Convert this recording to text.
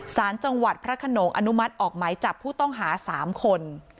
สารจังหวัดพระขนงอนุมัติออกหมายจับผู้ต้องหา๓คน